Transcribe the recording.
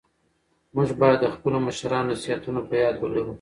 موږ بايد د خپلو مشرانو نصيحتونه په ياد ولرو.